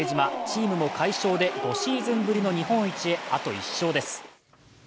チームも快勝で５シーズンぶりの日本一へ、あと１勝です。